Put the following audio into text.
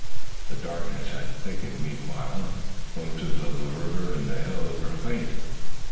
The darkness had thickened meanwhile and glimpses of the river and the hills were faint.